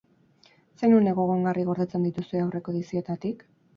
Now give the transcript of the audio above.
Zein une gogoangarri gordetzen dituzue aurreko edizioetatik?